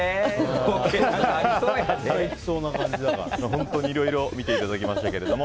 本当にいろいろと見ていただきましたけども